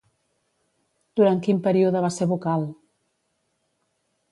Durant quin període va ser vocal?